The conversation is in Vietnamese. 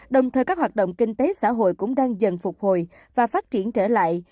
đồng thời các hoạt động kinh tế xã hội cũng đang dần phục hồi và phát triển trở lại